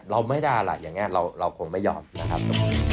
เราไม่ได้อะไรอย่างนี้เราคงไม่ยอมนะครับ